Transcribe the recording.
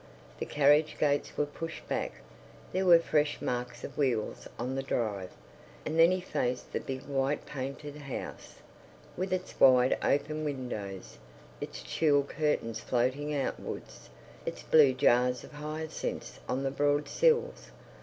The carriage gates were pushed back; there were fresh marks of wheels on the drive. And then he faced the big white painted house, with its wide open windows, its tulle curtains floating outwards, its blue jars of hyacinths on the broad sills.